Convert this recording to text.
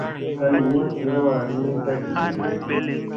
Kal yumma tira wa ni ka jivi ɗi.